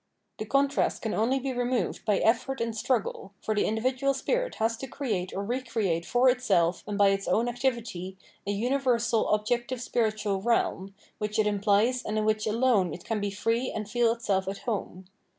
The contrast can only be removed by effort and struggle, for the individual spirit has to create or recreate for itself and by its own activity a universal objective spiritual realm, which 486 487 Sfi/rit in Self estrangement ifc implies and in wliicli alone it can be free and feel itself at home.